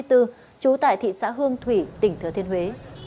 trú tại thị xã hương thủy tỉnh thừa thiên huế